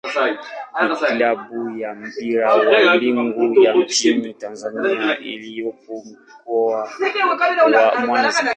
ni klabu ya mpira wa miguu ya nchini Tanzania iliyopo Mkoa wa Mwanza.